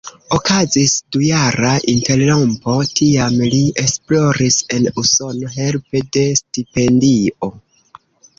Okazis dujara interrompo, tiam li esploris en Usono helpe de stipendio.